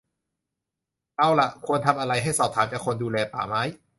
เอาล่ะ ควรทำอะไร ให้สอบถามจากคนดูแลป่าไม้